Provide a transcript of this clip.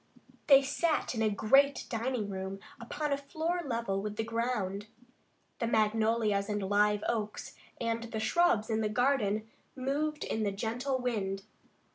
They sat in a great dining room upon a floor level with the ground. The magnolias and live oaks and the shrubs in the garden moved in the gentle wind.